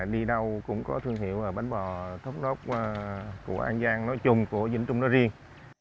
sau cũng có thương hiệu bánh bò thốt nốt của an giang nói chung của vĩnh trung đó riêng